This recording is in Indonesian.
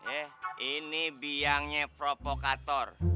eh ini biangnya provokator